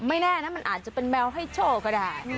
แน่นะมันอาจจะเป็นแมวให้โชคก็ได้